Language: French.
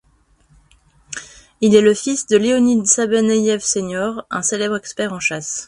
Il est le fils de Leonid Sabaneïev Sr., un célèbre expert en chasse.